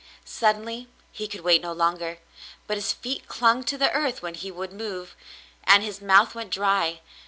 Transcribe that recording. Suddenly he could wait no longer, but his feet clung to the earth when he would move, and his mouth went dry.